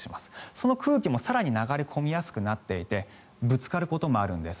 その空気も更に流れ込みやすくなっていてぶつかることもあるんです。